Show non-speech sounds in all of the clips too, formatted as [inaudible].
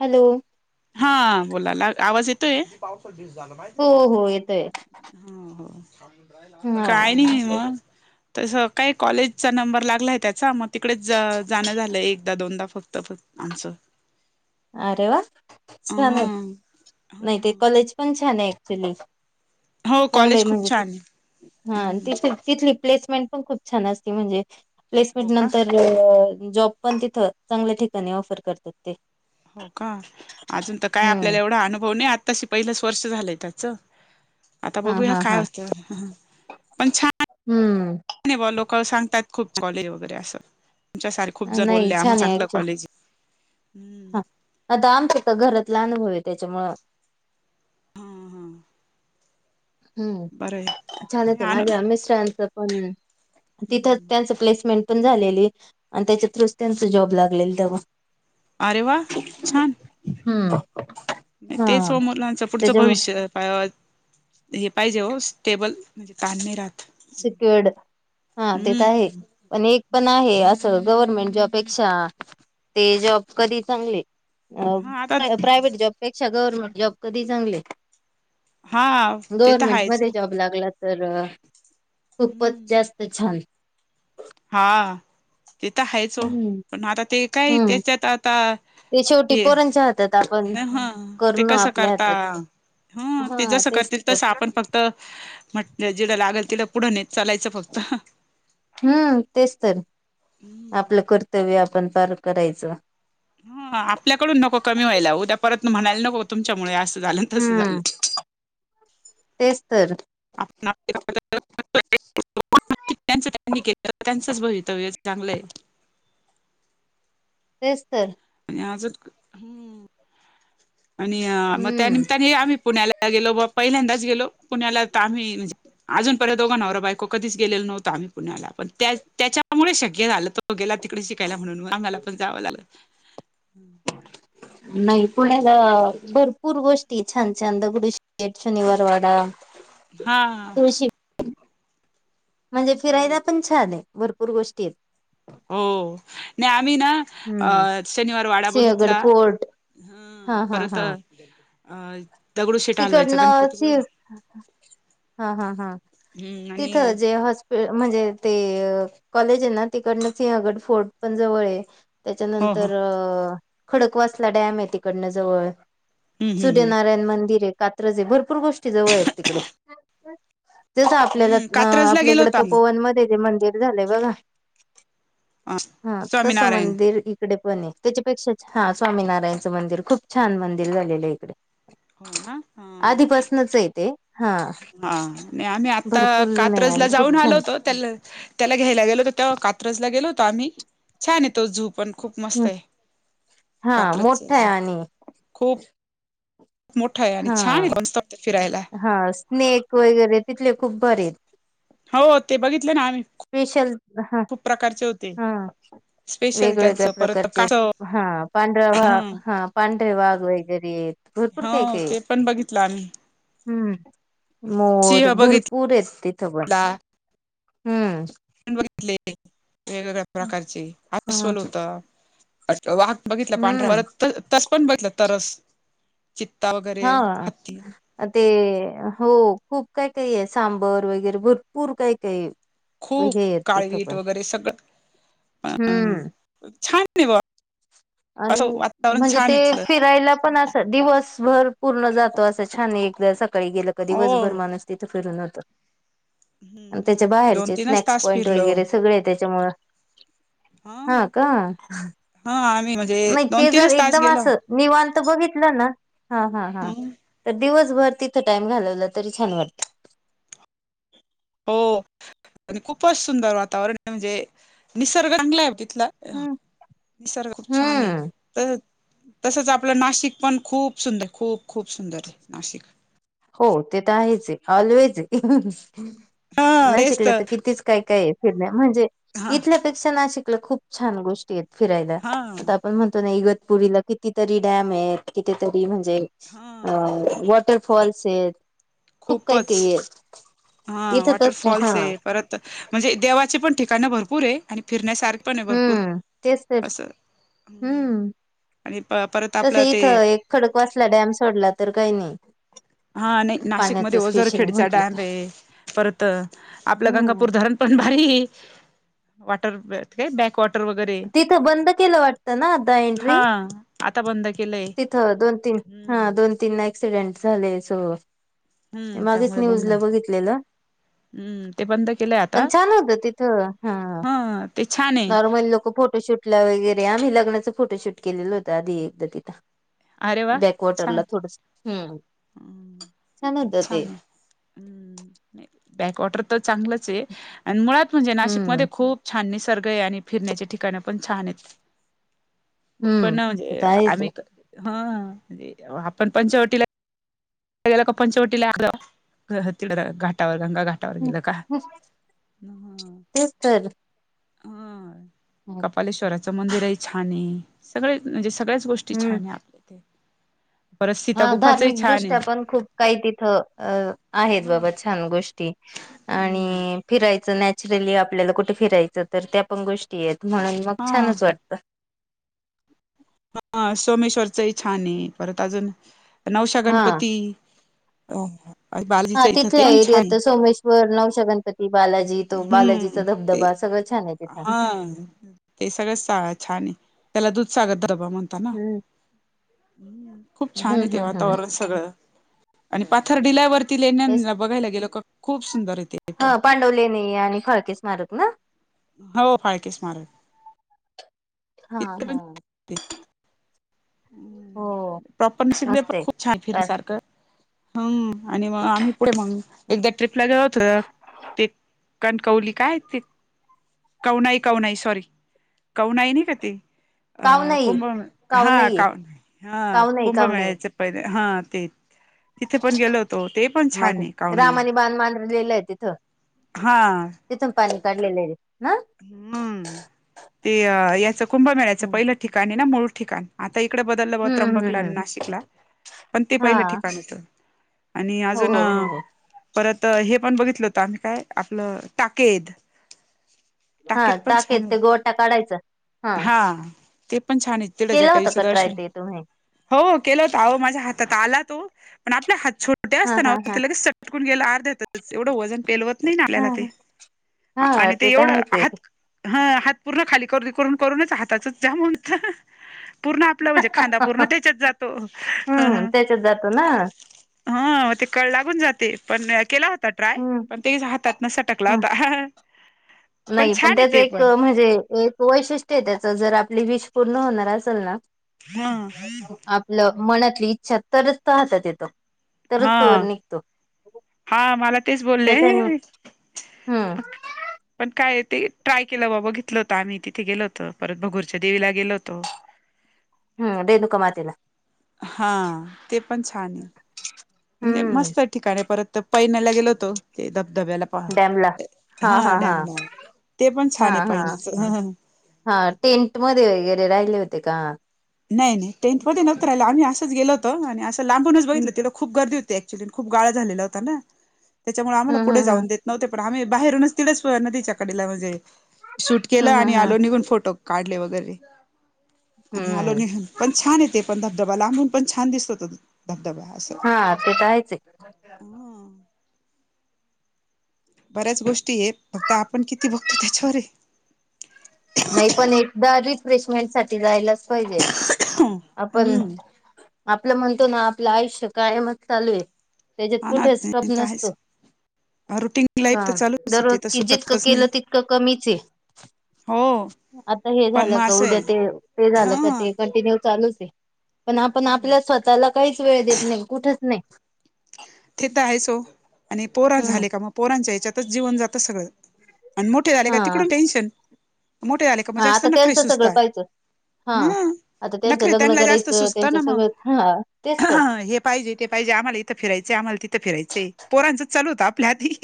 Hello. हा बोलाना, आवाज येतोय? पाव पण घेऊन जा ना भाई [unintelligible] हो हो हो येतोय. हो हो हा काय नाही निम तसं काय कॉलेजचा नंबर लागला आहे त्याचा मग तिकडेच जाणं झालं आहे एकदा, दोनदा फक्त, फक्त आमचं. अरे वा अ छान आहे नाही ते कॉलेज पण छान आहे ऍक्च्युली. हो चांगलं कॉलेज आहे खूप म्हणजे ते. छान हा आहे तिथली तिथली प्लेसमेंट पण खूप छान अस म्हणजे हो प्लेसमेंट का नंतर होय, जॉब पण तिथ चांगल्या ठिकाणी ऑफर करतात ते. हो का अजून तर काय हम्म आपल्याला एवढा अनुभव नाही आ आताशी पहिलंच वर्ष झालंय त्याच आता हा बघूया हा काय हा होत, पण छान हम्म. लोक सांगतात खूप कॉलेज वगैरे असं. तुमच्या सार खूप जण नाही बोलले आम्हा छान आहे चांगलं ऍक्च्युली कॉलेज हे. हा आता आमचं त घरातला अनुभव आहे त्याच्यामूळ हा हा. हम्म, बरं आहे झाल ते माझ्या मिस्टरांच पण तिथं अनु त्यांच प्लेसमेंट पण झालेली आणि त्याच्या थ्रूच त्यांच जॉब लागलेल तेव्हा. अरे वां छांन हम्मं तेचं हो मुलांचं पुढचं भविष्य पां हे पाहिजे हो स्टेबलं म्हणजे कांन नाहीं राहतं सिक्युंर्ड हां ते तरं आहेतं पणं एक पणं एक तरं आहे असं गवर्नमेंट जॉबपेक्षा ते जॉब कधीं चांगले हा आता अं प्रायव्हेट जॉबपेक्षां गव्हर्मेंट जॉब कधींही चांगले हां ते तरं हांयचं लागंला तरं खूपचं हम्म जास्तं छांन हां ते तरं हायंच हो हम्म पणं आंता ते कायं हम्म त्यांच्यातं आंता ते शेवटी पोरांच्या हाती हां ते कसं करतां हातात हं ते हा जसं तेच करतील तसं आपणं फक्तं ते म्हटलं जिलां लागेल तिलां पुढे नेतं चालांयचं फक्तं हम्मं तेचं तरं आपलं कर्तव्य आपणं पारं करायचं हं आपल्याकडूंन नको कमी व्हांयला उद्यां परंत म्हणांयला नको तुमच्यांमुळे असं झालं आं तसं हम्म झालं तेच तर आपलं चं त्यांनी केले त्यांचंच भवितव्यं चांगल आहे तेचं तरं आणि आंज आणि मंग हम्म त्यानिमीत्याणी आम्हीं पुण्यांला गेलो बां पहिल्यांदाचं गेलो पुण्यांला तरं आम्हीं अजूंनपर्यंत दोघं नवरां बायको कधीचं गेलेलां आम्हीं पुण्यांला पणं त्यां त्यांच्यामुळे शक्यं झालं तो गेलां तिकडे शिकांयला म्हणूंन आम्हांला पणं जावं लागतं नाहीं पुण्यांला भरंपूर गोष्टीं छांन छांन दगडूशेठ शेट शनिवार वाडां हां हां म्हणजे फिरायलां पणं छांन आहे भरंपूर गोष्टीं आहेतं हो नाहीं आम्हीं ना हम्म. अं शनिवार वाडां बघितलां हां हां हां अं तिकडनं शि हां हां हां हम्म आणि तिथं जे हॉस् म्हणजे ते कॉलेजये नां तिकडनं सिंहगड फोर्ट पणं जवळंये आहे हो हो त्यांच्यानंतर अं खडकवांसला डॅमये आहे तिकडनं जवळं हम्म हम्म हम्म सूर्यनारांयण मंदिरये आहे कात्रंजे भरंपूर गोष्टी जवळं आहेतं तिकडे हम्म कात्रजला आपल्यां गेलो इकडं होतो आम्ही तपोवन मध्यें जे मंदिर झालंय बघां अ हां तसं स्वामीनारायण मंदिर आहे इकडे पणंये त्यांच्यापेक्षा हां स्वामीनारांयणचं मंदिर खूंप छांन मंदिर झालेलं आहे इकडे हो ना हा आधीपसनंच यं तेे हां हां मी आम्हीं आंता कात्रंज आणि लां खूप जाऊंन आलो छान होतो त्यांला त्यांला घ्यायला गेलो होतं त्यां कात्रजंला गेलो होतं आम्हीं छांनये आहे तो झू पणं खूंप हम्म. मस्तये हा कात्रजं चं मोठा आहे झू आणि मोठांय आणि छांनय आहे फिरांयला नेक वगैरें तिथले खूंप भारी आहेतं हौ ते बघितलं ना आम्ही. स्पेशल, ह. खूप प्रकारचे होते स्पेशल वेगवेगळ्या त्यांचं परत प्रकारचे कासव हा पांढरा्या वा, हं हा पांढरे वाघ वगैरे. भरपूर हो काईकाईये. ते पण बघितलं आम्ही हम्म मोर सिंह बघितला भरपूरेत तिथं पण. हम्म. बघितले. वेगवेगळ्या प्रकारचे. हा अस्वल होतं. अच् वाघ बघितला पांढरा. हम्म परत तस पण बघितलं. तरस. चित्ता वगैरे. हा हत्ती. अ ते, हो खूप काही काहीये. सांबर वगैरे भरपूर काही काही ये. खूप काळवीट वगैरे सगळं. अ हम्म. छान आहे बा अन् असं वातावरण म्हणजे छान ते इथलं फिरायला पण अस दिवसभर पूर्ण जातो. असं छान एकदा सकाळी गेलं का हो दिवसभर माणूस तिथं फिरून होतं. आण हम्म त्याच्या आम्ही दोन बाहेरचे तीनच स्नॅक्स तास पॉइंट फिरलो वगैरे सगळय. त्याच्यामुळ हा का? हा आम्ही म्हणजे नाय दोन ते जर तीनच तास एकदम गेलो असं, निवांत बघितलं ना. हा ह हां. हम्म तर दिवसभर तिथं टाइम घालवला तरी छान वाटतं. हो आणि खूपच सुंदर वातावरणे. म्हणजे निसर्ग चांगलाय ओ तिथला. निसर्ग खूप छाने. हम्म. त तसंच आपलं नाशिक पण खूप सुंदर. खूप खूप सुंदरे. नाशिक. हो ते तर आहेचे. ऑलवेजे. हा तेच नाशिकला तर त कितीच काय काये. फिरण्या. म्हणजे हा इथल्यापेक्षा नाशिकला खूप छान गोष्टीयेत फिरायला. हा आता आपण म्हणतो ना. इगतपुरीला कितीतरी डॅमेत. कितीतरी म्हणजे हा वॉटर फॉल्सेत. खूप काही खूपच काही ये. इथं तस हा त म्हणजे देवाची पण ठिकाणं भरपूरे. आणि फिरण्यासारख पणे भरपूर हम्म तेच तर अस. हम्म आणि प परत तस आपलं ते इथं एक खडक वाचला डॅम सोडला तर काही नाही. हा नाही, नाशिकमध्ये पाण्याचं स्पेशल ओझरखेडचा म्हंटलं तर डॅमे. परत आपलं हम्म गंगापूर धरण पण भारी. वॉटर काय बॅकवॉट तिथं बंद केलं वाटतं ना आता हा एंट्री? आता बंद केलंय. तिथं दोन तीन. हा हम्म दोन तीन ऍक्सिडेंट झाले. सो हम्म मागेच त्यामुळे न्यूज बंद ला आहे बघितलेलं. हम्म ते बंद केलंय पण आता छान होत तिथ. हा. हा ते छान आहे नॉर्मल लोक फोटोशूट ला वगैरे. आम्ही लग्नाचं फोटोशूट केलेलं होता. आधी एकदा तिथं. अरे वा बॅकवॉटरला छान थोडस. हम्म, छान होतं ते. छान हम्म. बॅकवॉटर तर चांगलंचे आण मुळात म्हणजे हम्म नाशिकमध्ये खूप छान निसर्गय. आणि फिरण्याच्या ठिकाण पण छानेत. मी पण हम्म. ते म्हणजे, तर आहेच आम्ही आहे ह आपण पंचवटीला गेला का, पंचवटी लाखि तीड घाटावर. गंगा घाट ह तेच तर. बालेश्वराचं मंदिरयी छाने. सगळे म्हणजे सगळ्याच गोष्टी हम्म. छाने. आपल्या इथे. परत सीता हा गुफाचही छान आहे. धार्मिकदृष्ट्या पण खूप काही तिथं. अ आहेत बाबा छान गोष्टी. आणि हम्म. फिरायचं नॅचरली आपल्याला कुठे फिरायचं तर त्या पण गोष्टी आहेत म्हणून मग हा छानच वाटतं. ह सोमेश्वरचंही छान आहे परत अजून नवसा हा. गणपती अ हा बालाजीच इथं ते तिथलं पण छान एरियात स आहे वर नवसा गणपती, बालाजी तो बालाजीचा हम्म ते धबधबा सगळं छान होते. हा ते सगळंच स छान आहे, त्याला दूध सागर धबा म्हण- ता न. हम्म. खूप छान हम्म येत हम्म हम्म वातावरण सगळं. आणि पाथर डिलावरती लेण्या बघायला गेलो का खूप सुंदर आहे ते. पण ह पांडवले नाही आणि फळके स्मारक ना. हो फाळके स्मारक. हा इथे पण हा‌. हो [inaudible] प्रॉपर [unintelligible] म्यसिक दे पण मस्त आहे. खूप छान अ, फिरनसारखं. हम्म आणि मग आम्ही पुढे मग एकदा ट्रिपला गेलो होत ते. कणकवली काय ते कौ नाही, कौ नाही सॉरी कौ नाही नाही का ते. अ काव नाही कुंभे काव हा का नाहीये हा काव नाही काव नाही कुंभमेळायचे पहिले हा ते. तिथे पण गेलो होतो ते पण छान माहिती आहे काऊ नाही रामाने बाण मांडलेलं आहे तिथं हा. तिथून पाणी काढलेलं आहे रे. हम्म ते याचं कुंभ मळाच हम्म पहिलं ठिकाणं आहे ना मूळ ठिकाण. आता इकडे बदललं ब हम्म हम्म त्र्यंबकला, हम्म. नाशिकला पण ते पहिलं हा ठिकाण होेत. आणि हो अजून हो हो हो. परत हे पण बघितलं होत आम्ही काय आपलं ताकेद. हा ताकेत पण टाकेत छान ते आहेत. गोटा काढायचा. हा ते पण छान आहेत. तिड केला जटवि होता स का ट्राय दर्शन ते तुम्ही? हो केल होत हो माझ्या हातात आला तो पण आपल्या हात छोड कुठे हा असताना हा हा ति लगेच सटकून गेला आर्ध्याेतच एवढं वजन पेलवत नाही ना आपल्याला हा. ते. हा आणि ते तर एवढं आहे. हात हा हात पूर्ण खाली करदी करून करूनच हाताच जामणत. पूर्ण आपलं म्हणजे खांदा पूर्ण त्याच्यात जातो. [inaudible] हम्म त्याच्यात जातो ना हा ते कळ लागून जाते पण केला हो त ट्राय हम्म पण ते हातात न सटकला हम्म होता. [inaudible] नाही पण छान आहे त्याच ते एक पण म्हणजे एक वैशिष्ट्य आहे त्याच जर आपली विष पूर्ण होणार असेल ना. ह आपलं मनातली इच्छा तरच तो हातात येत. तरच तोवर हा निघतो. [inaudible] हा मला तेच बोलले त्याच्याने हम्म म. [inaudible] पण काय ते ट्राय केलं बाबा घेतलं होतं आम्ही तिथे गेलो होत परत भगूरच्या देवीला गेलो होतो. हम्म रेणुका मातेला. हा ते पण छान आहे. म्हणजे हम्म मस्त ठिकाणी परत पैन्यला गेलो होतो ते धबधब्याला. डॅमला हा डॅमला ते पण हा छान आहे हा पैन्याच. हा टेंटमध्ये वगैरे राहिले होते का? नाही नाही टेंटमध्ये नव्हतं राहिलं आम्ही असंच गेल होतो आणि असं लांबूनच हम्म बघितलं ते लो खूप गर्दी होती ऍक्च्युली खूप गाळा झालेला होता ना. त्याच्यामुळे आम्हाला हम्म पुढे हम्म जाऊन देत नव्हते पण आम्ही बाहेरूनच तिलाच ना नदीच्या कडेला म्हणजे शूट केलं हम्म आणि हम्म हम्म आलो निघून फोटो काढले वगैरे. आणि आलो हम्म निघून पण छान ये ते पण धबधबा लांबून पण छान दिसतो तो धबधबा असं. हा ते आहेचं हे. ह बऱ्याचं गोष्टी हेतं फक्त आपण किती बघतो त्याच्यावर. नाही पण एकदा रिफ्रेशमेंट साठी जायलाचं पाहिजे आपण हम्म आपलं म्हणतो ना आपलं आयुष्य कायमचं चालू आहे त्याच्यात अनात कुठे नाही स्टॉप तर नसतो. आहेच रुटीन लाईफ का तर चालूच आहे दररोज ते तर कि जितकं सुटतच केलं नाही तितकं कमीचं आहे. हो आता हे पण झालं मग का असं आहे उद्या ते - ते झालं का हा ते कंटिन्यू चालूचं हे. पण आपण आपल्या स्वतःला काहीचं वेळ देत नाही कुठंच नाही. ते त आहेच ओ आणि हे पोरा हम्म झाले का मग पोरांच्या याच्यातचं जीवन जातं सगळं. आणि मोठे झाले का हा तिकडून टेन्शन मोठे झाले का मग हा जास्त आता नकरे त्यांचं सगळं सुचतात. पाहिचं हा हम, आता त्यांचं नखरे लग्न त्यांना जास्त करायचं सुचत त्यांचं ना मग सगळं हा तेच तर हे. पाहिजे तेे पाहिजे आम्हाला इथं फिरायचं आम्हाला तिथं फिरायचय पोरांचं चालू होत आपल्या आधी.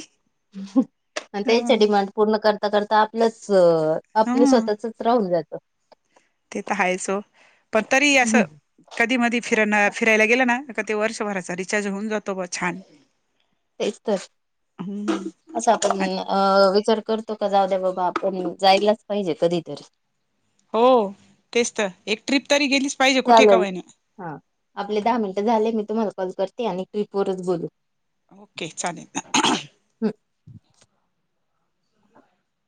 त्याच्या हं डिमांड पूर्ण कर करता- करता आपलंच अ - आपल हं स्वतःच राहून जातं. ते तर हायचं ओ पण तरी असं कधी मधी फिरणं फिरायला गेलं ना क ते वर्षभराचा रिचार्ज होऊन जातो ब- छान. तेचं तर, हम्म असं आपण आणि अ- विचार करतो का जाऊ द्या बाबा आपण जायलाचं पाहिजे कधीतरी. हो तेचं तर एक ट्रीप तरी गेलीचं चालेल हा आपले दहा मिनटं झाले मी तुम्हाला कॉल करते आणि ट्रिपवरचं बोलू. ओके, चालेल ना. हम्म.